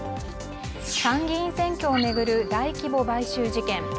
参議院選挙を巡る大規模買収事件。